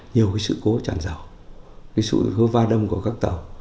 nhiều cái sự cố chản dầu cái sự cố va đông của các tàu